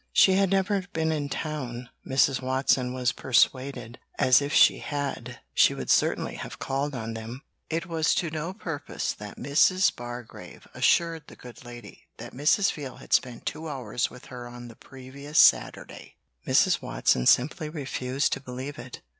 She had never been in town, Mrs. Watson was persuaded, as if she had, she would certainly have called on them. It was to no purpose that Mrs. Bargrave assured the good lady that Mrs. Veal had spent two hours with her on the previous Saturday; Mrs. Watson simply refused to believe it.